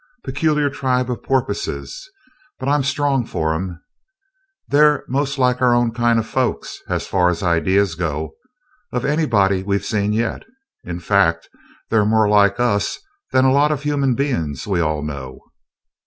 "Peculiar tribe of porpoises, but I'm strong for 'em. They're the most like our own kind of folks, as far as ideas go, of anybody we've seen yet in fact, they're more like us than a lot of human beings we all know."